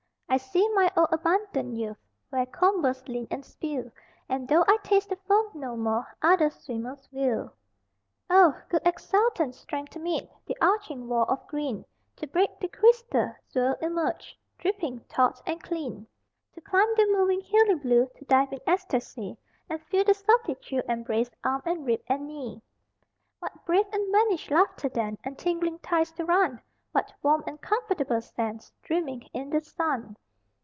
I see my old abundant youth Where combers lean and spill, And though I taste the foam no more Other swimmers will. Oh, good exultant strength to meet The arching wall of green, To break the crystal, swirl, emerge Dripping, taut, and clean. To climb the moving hilly blue, To dive in ecstasy And feel the salty chill embrace Arm and rib and knee. What brave and vanished laughter then And tingling thighs to run, What warm and comfortable sands Dreaming in the sun.